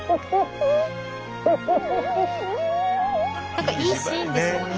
何かいいシーンですよね。